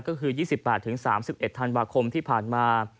ก็คือ๒๘๓๑ธันวาคมที่ผ่านมา